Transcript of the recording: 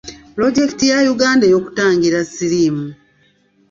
Pulojekiti ya Uganda ey'okutangira siriimu.